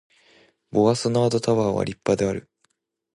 ボワソナードタワーは立派である